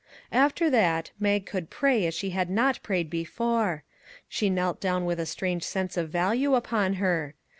After that, Mag could pray as she had not prayed before. She knelt down with a strange sense of value upon her.